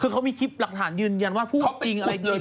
มันก็มีคลิปหลักฐานยืนยันว่าพูดจริงอะไรจริง